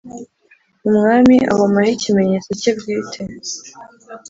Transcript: Umwami ahomaho ikimenyetso cye bwite